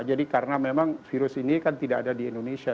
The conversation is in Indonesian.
karena memang virus ini kan tidak ada di indonesia